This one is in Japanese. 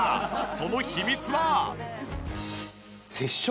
その秘密は。